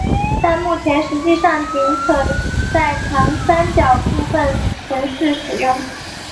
但目前实际上仅可在长三角部分城市使用。